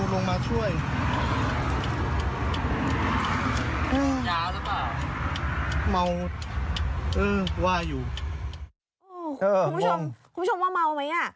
คุณผู้ชมคุณผู้ชมว่าเมาไหมอ่ะ